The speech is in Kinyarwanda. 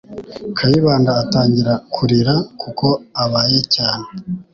Kayibanda atangira kurira kuko abaye cyane.